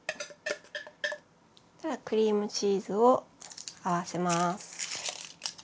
クリームチーズを合わせます。